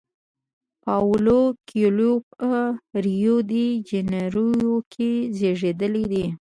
پاولو کویلیو په ریو ډی جنیرو کې زیږیدلی دی.